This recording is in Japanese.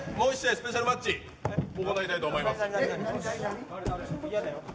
スペシャルマッチ行いたいと思います。